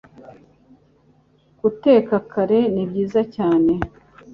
Guteka kare nibyiza cyane